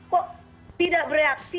kok tidak bereaksi